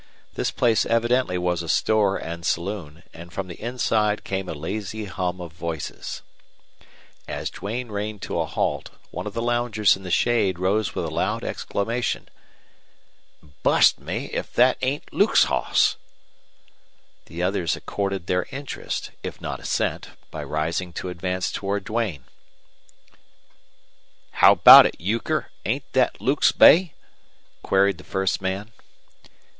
This place evidently was a store and saloon, and from the inside came a lazy hum of voices. As Duane reined to a halt one of the loungers in the shade rose with a loud exclamation: "Bust me if thet ain't Luke's hoss!" The others accorded their interest, if not assent, by rising to advance toward Duane. "How about it, Euchre? Ain't thet Luke's bay?" queried the first man.